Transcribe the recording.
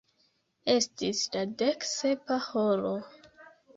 Estis la dek sepa horo.